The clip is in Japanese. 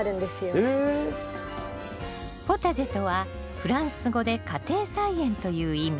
ポタジェとはフランス語で「家庭菜園」という意味。